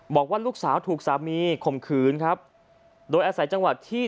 บอกว่าลูกสาวถูกสามีข่มขืนครับโดยอาศัยจังหวัดที่